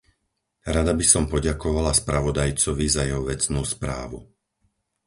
Rada by som poďakovala spravodajcovi za jeho vecnú správu.